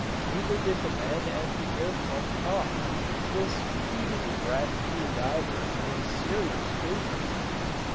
Neither did the men at the air pump talk. This feeding breath to a diver is serious business.